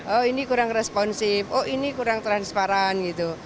oh ini kurang responsif oh ini kurang transparan gitu